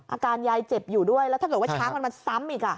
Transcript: อาการยายเจ็บอยู่ด้วยแล้วถ้าเกิดว่าช้างมันมาซ้ำอีก